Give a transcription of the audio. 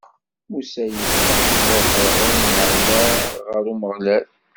Musa yeffeɣ-d sɣur Ferɛun, iɛenna ɣer Umeɣlal.